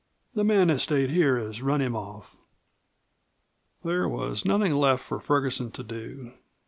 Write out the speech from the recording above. The man that stayed here has run him off." There was nothing left for Ferguson to do.